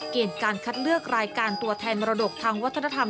เกณฑ์การคัดเลือกรายการตัวแทนมรดกทางวัฒนธรรม